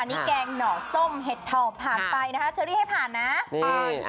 อันนี้แกงหน่อส้มเห็ดถอบผ่านไปนะคะเชอรี่ให้ผ่านนะผ่าน